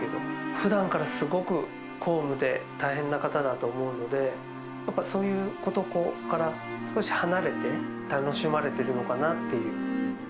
ふだんからすごく公務で大変な方だと思うので、やっぱりそういうことから少し離れて楽しまれているのかなっていう。